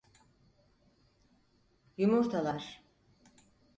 Yumurtalar.